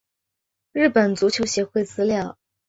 日本足球协会资料